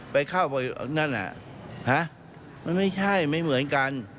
ไปเข้าไปนั่นมันไม่ใช่ไม่เหมือนกัน